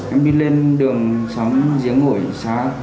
em đi lên đường xóm giếng ngồi xá